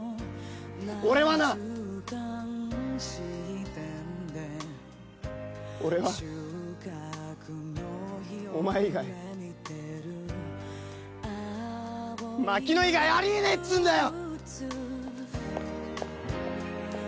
俺はな俺はお前以外牧野以外ありえねえっつんだよ！